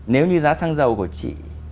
nếu như giá xăng dầu của chị